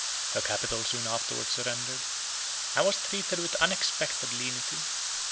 Her capital soon afterwards surrendered, and was treated with unexpected lenity.